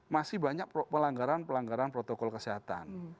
masih banyak pelanggaran pelanggaran protokol kesehatan